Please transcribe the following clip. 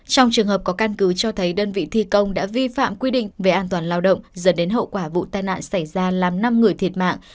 trong trường hợp có căn cứ cho thấy đơn vị thi công đã vi phạm quy định về an toàn lao động dẫn đến hậu quả vụ tai nạn xảy ra làm năm người thiệt mạng